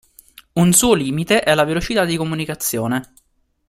Un suo limite è la velocità di comunicazione.